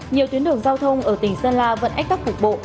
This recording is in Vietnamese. nhiều tuyến đường giao thông ở tỉnh sơn la vẫn ách tắc cục bộ